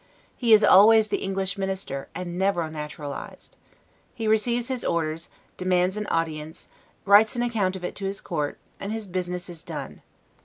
He is always the English minister, and never naturalized. He receives his orders, demands an audience, writes an account of it to his Court, and his business is done.